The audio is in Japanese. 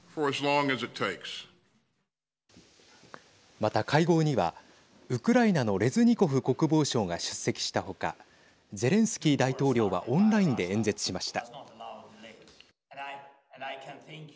また会合にはウクライナのレズニコフ国防相が出席した他ゼレンスキー大統領はオンラインで演説しました。